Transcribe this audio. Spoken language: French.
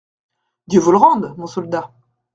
Dieu vous le rende, mon soldat.